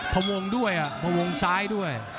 พวงด้วยพวงซ้ายด้วย